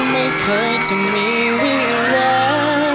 ไม่เคยจะมีเวลา